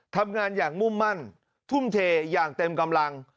ทำงานอย่างมุ่งมั่นทุ่มเทอย่างเต็มกำลัง